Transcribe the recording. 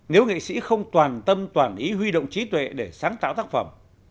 nếu nghệ sĩ không toàn tâm toàn ý huy động trí tuệ để sáng tạo tác phẩm